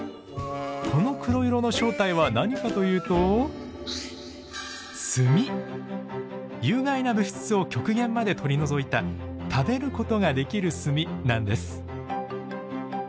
この黒色の正体は何かというと有害な物質を極限まで取り除いた食べることができる炭なんです。